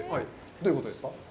どういうことですか？